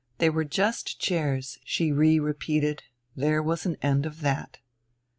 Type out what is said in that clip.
They were just chairs, she rerepeated; there was an end of that.